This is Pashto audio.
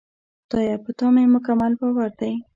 خدایه! په تا مې مکمل باور دی.